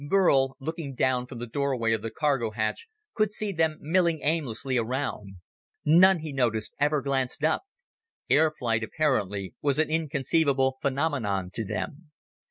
Burl, looking down from the doorway of the cargo hatch, could see them milling aimlessly around. None, he noticed, ever glanced up. Air flight, apparently, was an inconceivable phenomenon to them.